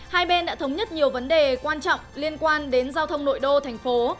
hai bên đã thống nhất nhiều vấn đề quan trọng liên quan đến giao thông nội đô thành phố